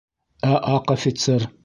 Ә аҡ офицер?